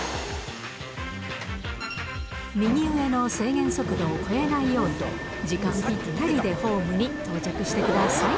右上の制限速度を超えないように、時間ぴったりでホームに到着してください。